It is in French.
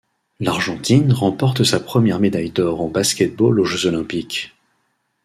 L'Argentine remporte sa première médaille d'or en basket-ball aux Jeux olympiques.